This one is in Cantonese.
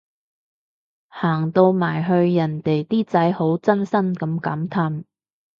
行到埋去人哋啲仔好真心噉感嘆